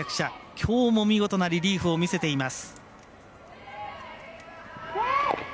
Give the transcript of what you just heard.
きょうも見事なリリーフを見せています。